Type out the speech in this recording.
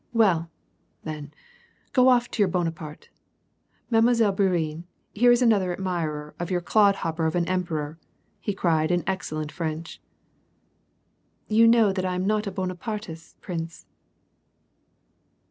" Well, then, go off to your Bonaparte ! Mile. Bourienne, here is another admirer of your clodhopper of an emperor," f he cried, in excellent French. " You know that I am not a Bonapartist, prince."